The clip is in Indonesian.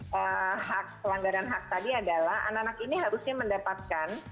pelanggaran hak tadi adalah anak anak ini harusnya mendapatkan